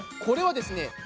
これはですね